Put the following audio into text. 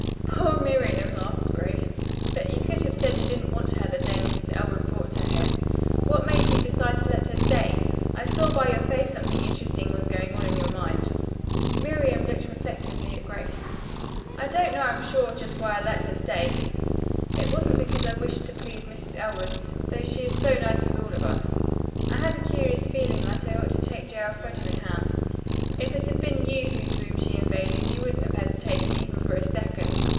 "Poor Miriam," laughed Grace. "But you could have said you didn't want her the day Mrs. Elwood brought her here. What made you decide to let her stay? I saw by your face something interesting was going on in your mind." Miriam looked reflectively at Grace. "I don't know I'm sure just why I let her stay. It wasn't because I wished to please Mrs. Elwood, though she is so nice with all of us. I had a curious feeling that I ought to take J. Elfreda in hand. If it had been you whose room she invaded you wouldn't have hesitated even for a second.